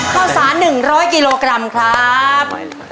ข้าวสาร๑๐๐กิโลกรัมครับ